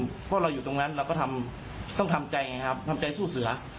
เพราะเราอยู่ตรงนั้นเราก็ต้องทำใจไงครับทำใจสู้เสือ